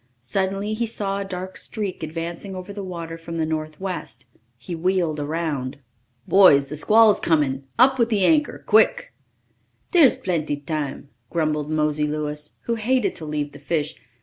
Suddenly he saw a dark streak advancing over the water from the northwest. He wheeled around. "Boys, the squall's coming! Up with the anchor quick!" "Dere's plenty tam," grumbled Mosey Louis, who hated to leave the fish.